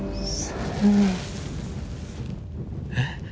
えっ？